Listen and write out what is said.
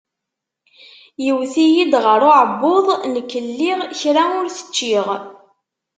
Iwet-iyi-d ɣer uɛebbuḍ, nekk lliɣ kra ur t-ččiɣ.